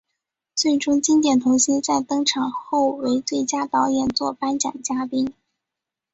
最终经典童星在登场后为最佳导演作颁奖嘉宾。